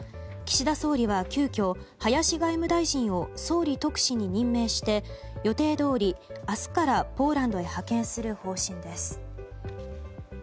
岸田総理は急きょ、林外務大臣を総理特使に任命して予定どおり明日からポーランドへ派遣する方針です。